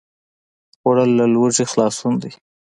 خوړل له لوږې خلاصون دی